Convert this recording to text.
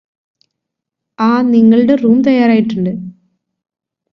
ആ നിങ്ങളുടെ റൂം തയ്യാറായിട്ടുണ്ട്